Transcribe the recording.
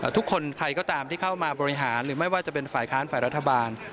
ทุกคนใครก็ตามที่เข้ามาบริหารหรือไม่ว่าจะเป็นฝ่ายค้านฝ่ายรัฐบาล